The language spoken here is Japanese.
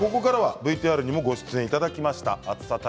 ここからはＶＴＲにも出演していただきました